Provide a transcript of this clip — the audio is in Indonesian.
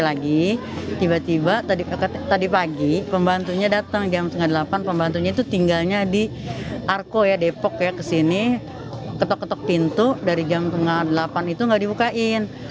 lagi tiba tiba tadi pagi pembantunya datang jam tengah delapan pembantunya itu tinggalnya di arko ya depok ya kesini ketok ketok pintu dari jam delapan itu nggak dibukain